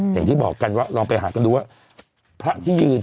อย่างที่บอกกันว่าลองไปหากันดูว่าพระที่ยืน